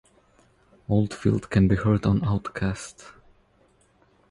Oldfield can be heard on "Outcast".